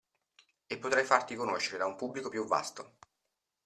E potrai farti conoscere da un pubblico più vasto.